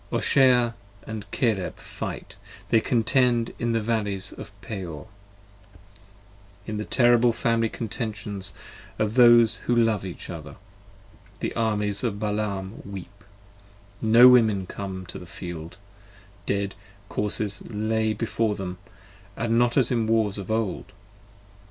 Oshea and Caleb fight: they contend in the valleys of (of) Peor, In the terrible Family Contentions of those who love each other: The Armies of Balaam weep no women come to the field : 40 Dead corses lay before them, & not as in Wars of old.